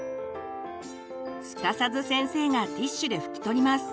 すかさず先生がティシュで拭き取ります。